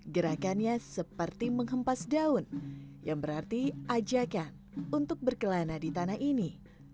gerakannya seperti menghempas daun yang berarti ajakan untuk berkelana di tanah ini